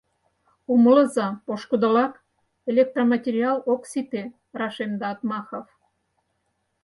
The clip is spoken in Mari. — Умылыза, пошкудолак, электроматериал ок сите, — рашемда Отмахов.